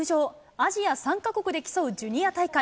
アジア３か国で競うジュニア大会。